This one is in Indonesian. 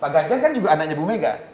pak ganjar kan juga anaknya bu mega